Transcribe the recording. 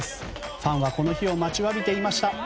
ファンはこの日を待ちわびていました。